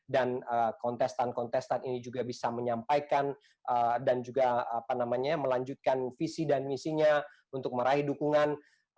dan kontestan kontestan ini juga bisa menyampaikan dan juga apa namanya melanjutkan visi dan misinya untuk meraih dukungan